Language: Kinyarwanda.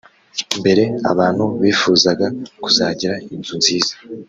Mbere abantu bifuzaga kuzagira inzu nziza